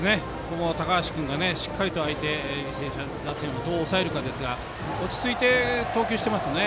高橋君がしっかり相手履正社打線をどう抑えるかですが落ち着いて投球してますね。